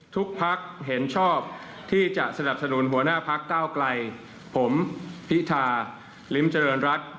ภักดิ์เห็นชอบที่จะสนับสนุนหัวหน้าพักเก้าไกลผมพิธาลิ้มเจริญรัฐ